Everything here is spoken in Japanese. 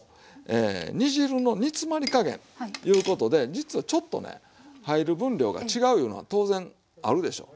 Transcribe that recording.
え煮汁の煮詰まり加減いうことで実はちょっとね入る分量が違ういうのは当然あるでしょ。